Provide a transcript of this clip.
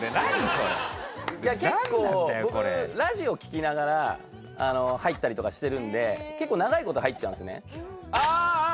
これ結構僕ラジオ聴きながら入ったりとかしてるんで結構長いこと入っちゃうんですねああああ！